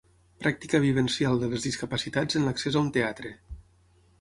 Pràctica vivencial de les discapacitats en l'accés a un teatre.